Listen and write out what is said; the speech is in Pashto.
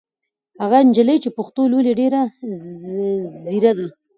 هغه نجلۍ چې پښتو لولي ډېره ځېره ده.